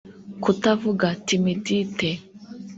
kutavuga (timidite)